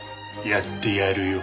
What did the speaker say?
やってやるよ。